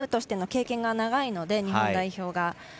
チームとしての経験が長いので、日本代表は。